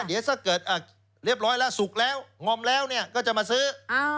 เดี๋ยวถ้าเกิดเรียบร้อยแล้วสุกแล้วงอมแล้วก็จะมาซื้อ